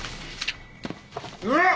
うわっ！